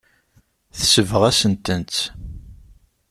Tesbeɣ-asent-tent.